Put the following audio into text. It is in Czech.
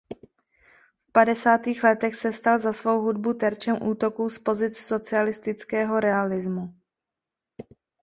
V padesátých letech se stal za svou hudbu terčem útoků z pozic socialistického realismu.